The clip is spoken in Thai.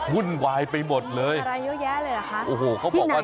บุ่นวายไปหมดเลยที่ไหนอ่ะ